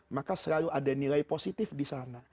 maka selalu ada nilai positif di sana